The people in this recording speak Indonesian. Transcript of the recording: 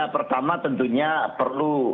pertama tentunya perlu